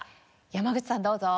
山口さんどうぞ。